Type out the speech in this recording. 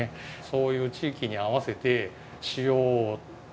そういう地域に合わせて。